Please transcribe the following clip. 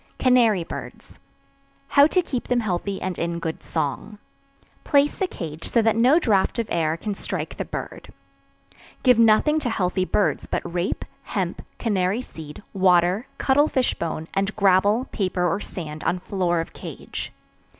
CANARY BIRDS. How to Keep Them Healthy and in Good Song. Place the cage so that no draught of air can strike the bird. Give nothing to healthy birds but rape, hemp, canary seed, water, cuttle fish bone, and gravel, paper or sand on floor of cage.